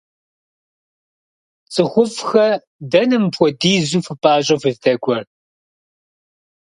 ЦӀыхуфӀхэ, дэнэ мыпхуэдизу фыпӀащӀэу фыздэкӀуэр?